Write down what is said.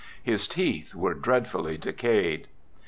His teeth were dreadfully decayed.